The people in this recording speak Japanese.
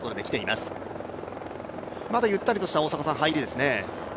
まだ、ゆったりとした入りですね。